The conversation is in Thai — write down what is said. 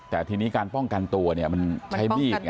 แต่ทีนี้การป้องกันตัวเนี่ยมันใช้มีดอ่ะ